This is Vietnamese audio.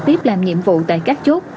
trực tiếp làm nhiệm vụ tại các chốt